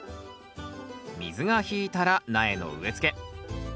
水が引いたら苗の植えつけ